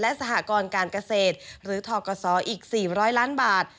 สหกรการเกษตรหรือทกศอีก๔๐๐ล้านบาท